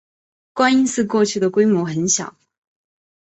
观音寺过去的规模很小。